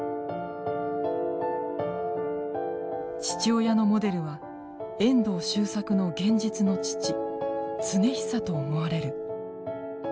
父親のモデルは遠藤周作の現実の父常久と思われる。